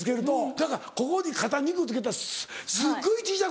だからここに肩肉つけたらすっごい小ちゃく